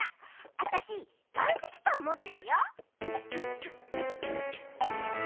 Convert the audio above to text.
あたし岩石パンもってるよ。